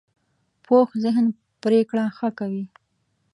پوخ ذهن پرېکړه ښه کوي